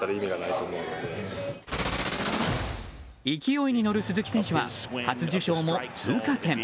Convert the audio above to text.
勢いに乗る鈴木選手は初受賞も通過点。